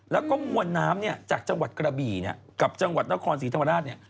แล้วก็มวลน้ำจากจังหวัดกระบี่กับจังหวัดนครสีธวราช